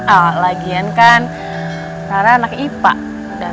adegan romantis kayak di drakor drakor